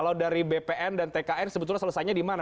tentu dari bpn dan tkn sebetulnya selesainya dimana